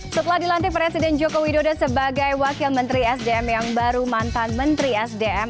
setelah dilantik presiden joko widodo sebagai wakil menteri sdm yang baru mantan menteri sdm